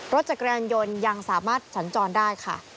รถจักรยานยนต์ยังสามารถสัญจรได้ค่ะ